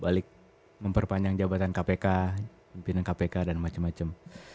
balik memperpanjang jabatan kpk pimpinan kpk dan macem macem